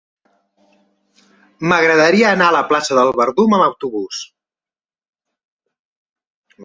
M'agradaria anar a la plaça del Verdum amb autobús.